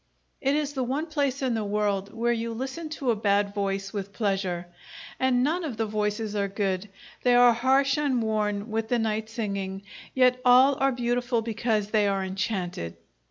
It is the one place in the world where you listen to a bad voice with pleasure, and none of the voices are good they are harsh and worn with the night singing yet all are beautiful because they are enchanted.